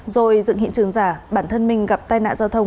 rồi dựng hiện trường giả bản thân mình gặp tai nạn giao thông